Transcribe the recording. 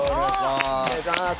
お願いします。